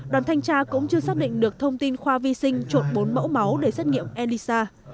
đoàn thanh tra cũng chưa xác định được thông tin khoa vi sinh trộn bốn mẫu máu để xét nghiệm elisa